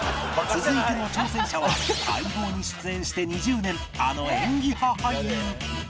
続いての挑戦者は『相棒』に出演して２０年あの演技派俳優